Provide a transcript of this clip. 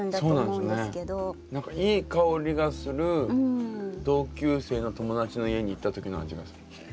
何かいい香りがする同級生の友達の家に行った時の味がする。